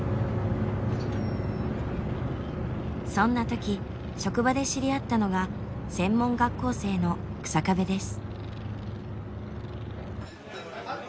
そんな時職場で知り合ったのが専門学校生の日下部です。